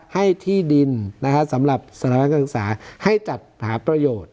ให้ที่ดินนะฮะสำหรับสาระวัยกรรมศึกษาให้จัดหาประโยชน์